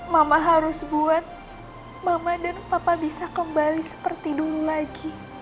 mama harus buat mama dan papa bisa kembali seperti dulu lagi